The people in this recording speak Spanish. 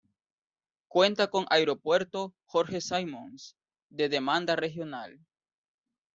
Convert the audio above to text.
Cuenta con Aeropuerto "Jorge Simons" de demanda regional.